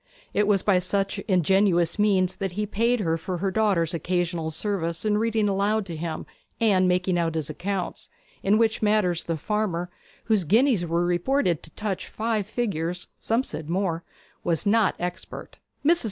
It was by such ingenuous means that he paid her for her daughter's occasional services in reading aloud to him and making out his accounts, in which matters the farmer, whose guineas were reported to touch five figures some said more was not expert. Mrs.